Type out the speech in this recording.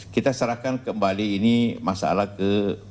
kita serahkan kembali ini masalah ke